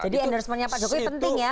jadi endorsemennya pak jokowi penting ya